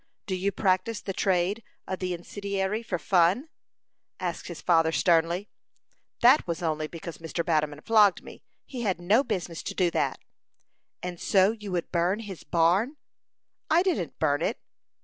"Do you practise the trade of the incendiary for fun?" asked his father, sternly. "That was only because Mr. Batterman flogged me. He had no business to do that." "And so you would burn his barn?" "I didn't burn it."